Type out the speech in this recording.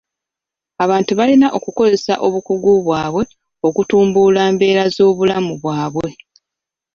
Abantu balina okukozesa obukugu bwabwe okutumbula mbeera z'obulamu bwabwe.